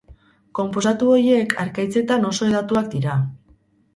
Konposatu horiek harkaitzetan oso hedatuak dira.